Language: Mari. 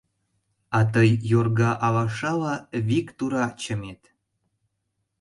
А тый йорга алашала вик тура чымет...